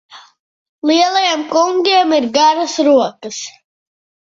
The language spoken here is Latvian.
Lieliem kungiem ir garas rokas.